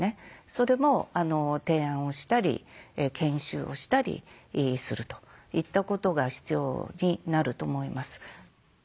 それも提案をしたり研修をしたりするといったことが必要になると思います。